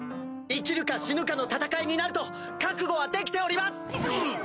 生きるか死ぬかの戦いになると覚悟はできております！